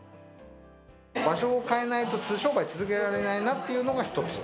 場所を変えないと商売続けられないなというのが一つ。